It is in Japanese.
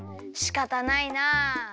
しかたないなあ。